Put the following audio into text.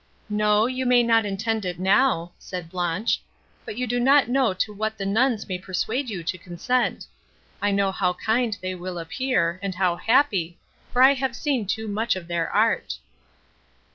"No, you may not intend it now," said Blanche; "but you do not know to what the nuns may persuade you to consent: I know how kind they will appear, and how happy, for I have seen too much of their art."